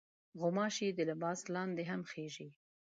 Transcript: غوماشې د لباس لاندې هم خېژي.